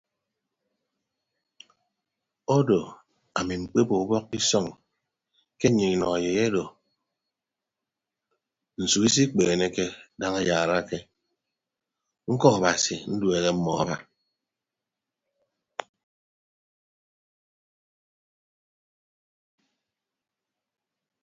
Odo ami mkpebo ubọk ke isọñ ke nnyịn inọ eyei odo nsu isikpeeneke daña ayaarake ñkọ abasi nduehe mmọọ aba.